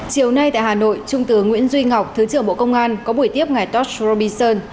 chiều nay tại hà nội trung tướng nguyễn duy ngọc thứ trưởng bộ công an có buổi tiếp ngày tosh robinson